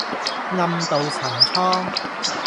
暗渡陳倉